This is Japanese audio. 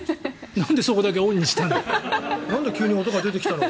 なんでそこだけオンにしたの？